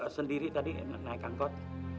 sendiri tadi naik angkot